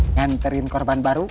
nganterin korban baru